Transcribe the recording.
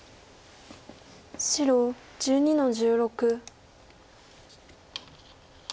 白１２の十六。